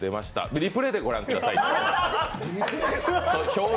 リプレーでご覧ください。